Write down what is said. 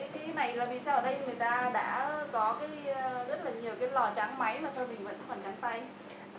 thế cái này là vì sao ở đây người ta đánh